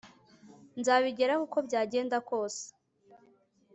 Nzabigeraho uko byagenda kose